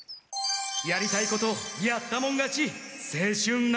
やりたいことやったもん勝ち青春なら。